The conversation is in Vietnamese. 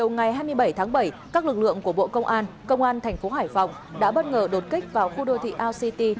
ngày hai mươi bảy tháng bảy các lực lượng của bộ công an công an thành phố hải phòng đã bất ngờ đột kích vào khu đô thị our city